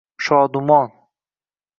Shodumon.